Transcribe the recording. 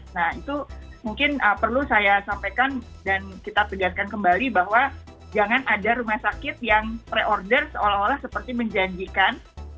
nah itu mungkin perlu saya sampaikan dan kita tegaskan kembali bahwa jangan ada rumah sakit yang pre order seolah olah seperti menjanjikan